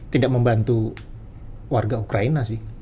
tidak membantu warga ukraina sih